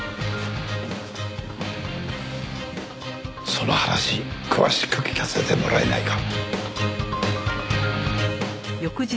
その話詳しく聞かせてもらえないか？